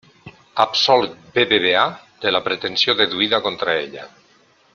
Absolc BBVA de la pretensió deduïda contra ella.